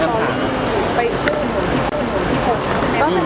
เราทำอันนี้ไปแล้วนะ